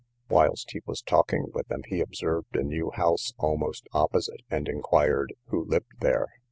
Whilst he was talking with them, he observed a new house almost opposite, and inquired who lived there.